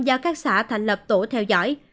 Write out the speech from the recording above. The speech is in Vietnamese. do các xã thành lập tổ theo dõi